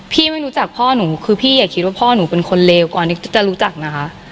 ไม่รู้จักพ่อหนูคือพี่อย่าคิดว่าพ่อหนูเป็นคนเลวก่อนที่จะรู้จักนะคะ